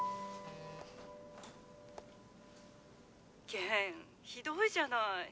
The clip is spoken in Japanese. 健ひどいじゃない。